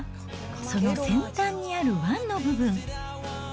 その先端にある湾の部分。